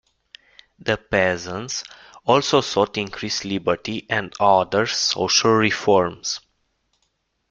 The peasants also sought increased liberty and other social reforms.